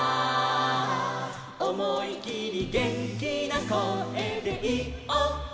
「おもいきりげんきなこえでいおう」